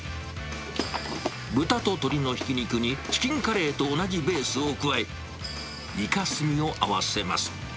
豚と鶏のひき肉にチキンカレーと同じベースを加え、イカスミを合わせます。